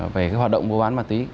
về cái hoạt động mua bán ma túy